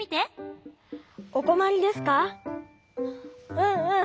うんうん。